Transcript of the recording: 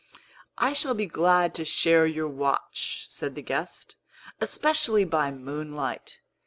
"I shall be glad to share your watch," said the guest; "especially by moonlight.